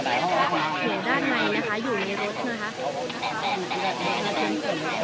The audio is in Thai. อยู่ด้านในนะคะอยู่ในรถนะคะ